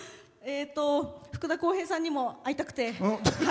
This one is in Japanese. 福田こうへいさんにも会いたくて。